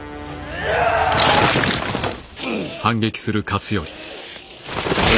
うっ。